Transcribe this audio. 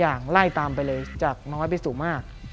อย่างไล่ตามไปเลยจากน้อยไปสู่มาก